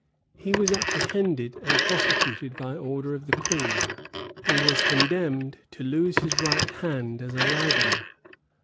He was apprehended and prosecuted by order of the queen, and was condemned to lose his right hand as a libeller.